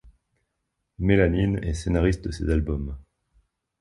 Melanÿn est scénariste de ces albums.